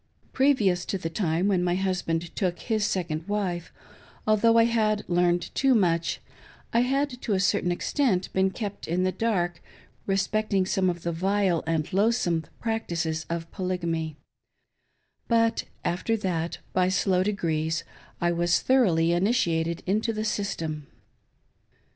Previous to the time when my husband took his second wife, although I had learned too much, I had to a certain extent been kept in the dark respecting some of the vile and loath some practices of Polygamy ; but after that, by slow degrees, I was thoroughly initiated into the system.